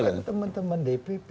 bukan teman teman dpp